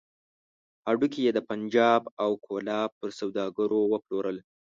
هډوکي يې د پنجاب او کولاب پر سوداګرو وپلورل.